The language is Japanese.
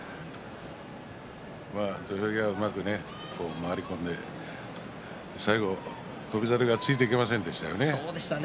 まあ土俵際うまく回り込んで最後、翔猿がついていけませんでしたね。